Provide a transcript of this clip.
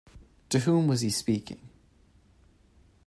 To whom was he speaking?